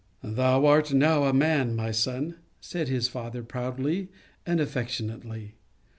" Thou art now a man, my son," said his father, proudly and affectionately.